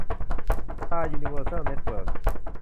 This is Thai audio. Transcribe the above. สตาร์ ยูนิเวอร์แซล เน็ตเวิร์ค